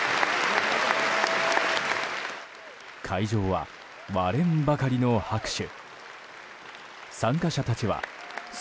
会場は割れんばかりの拍手。